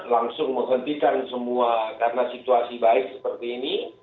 langsung menghentikan semua karena situasi baik seperti ini